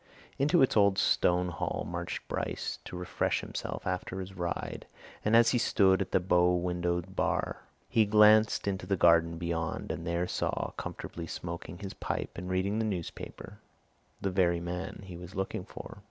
Into its old stone hall marched Bryce to refresh himself after his ride, and as he stood at the bow windowed bar, he glanced into the garden beyond and there saw, comfortably smoking his pipe and reading the newspaper, the very man he was looking for.